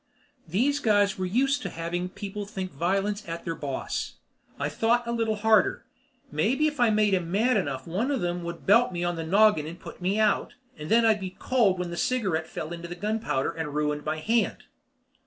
These guys were used to having people think violence at their boss. I thought a little harder. Maybe if I made 'em mad enough one of them would belt me on the noggin and put me out, and then I'd be cold when that cigarette fell into the gunpowder and ruined my hand.